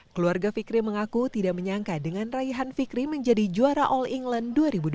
keluarga fikri mengaku tidak menyangka dengan raihan fikri menjadi juara all england dua ribu dua puluh